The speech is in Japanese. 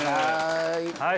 はい。